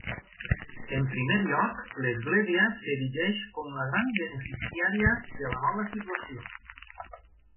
En primer lloc l'Església s'erigeix com la gran beneficiària de la nova situació.